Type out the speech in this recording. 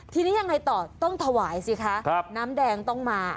ทีนี้ยังไงต่อต้องถวายสิคะน้ำแดงต้องมา